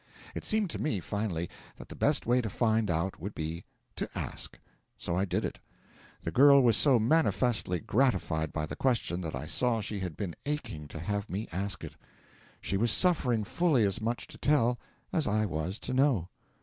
It seemed to me, finally, that the best way to find out would be to ask. So I did it. The girl was so manifestly gratified by the question that I saw she had been aching to have me ask it. She was suffering fully as much to tell as I was to know.